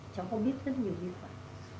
cháu có biết rất nhiều gì vậy